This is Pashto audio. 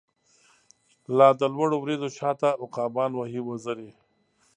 لا د لوړو وریځو شا ته، عقابان وهی وزری